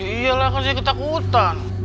iya lah kan saya ketakutan